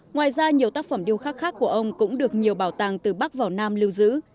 ngoài ra nhiều tác phẩm điêu khắc khác của ông cũng được nhiều bảo tàng từ bắc vào nam lưu giữ